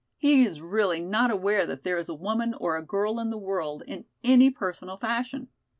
He is really not aware that there is a woman or a girl in the world in any personal fashion.